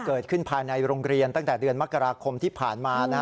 ภายในโรงเรียนตั้งแต่เดือนมกราคมที่ผ่านมานะฮะ